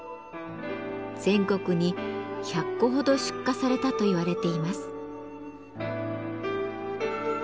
全国に１００個ほど出荷されたと言われています。